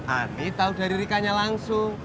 ani tau dari rikanya langsung